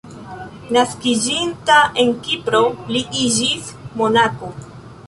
Naskiĝinta en Kipro li iĝis monako.